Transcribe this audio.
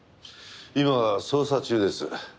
今捜査中です。